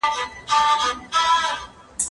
که وخت وي، درسونه لوستل کوم؟